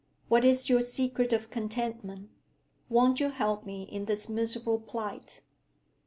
What is your secret of contentment? Won't you help me in this miserable plight?'